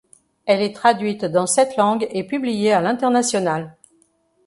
Elle est traduite dans sept langues et publiée à l'international.